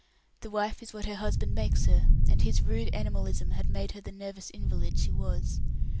The wife is what her husband makes her, and his rude animalism had made her the nervous invalid she was.